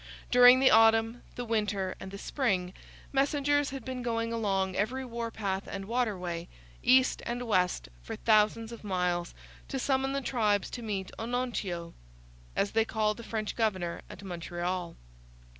During the autumn, the winter, and the spring, messengers had been going along every warpath and waterway, east and west for thousands of miles, to summon the tribes to meet Onontio; as they called the French governor, at Montreal.